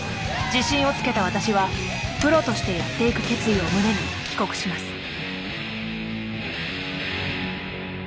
自信をつけた私はプロとしてやっていく決意を胸に帰国します。